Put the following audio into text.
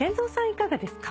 いかがですか？